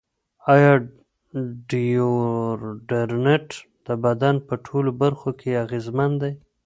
ایا ډیوډرنټ د بدن په ټولو برخو کې اغېزمن دی؟